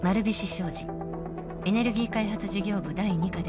商事エネルギー開発事業部第２課では